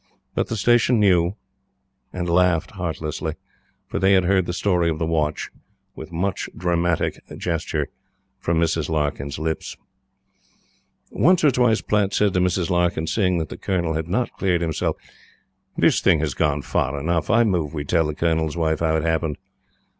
But the Station knew and laughed heartlessly; for they had heard the story of the watch, with much dramatic gesture, from Mrs. Larkyn's lips. Once or twice Platte said to Mrs. Larkyn, seeing that the Colonel had not cleared himself: "This thing has gone far enough. I move we tell the Colonel's Wife how it happened."